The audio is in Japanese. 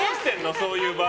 そういう場合。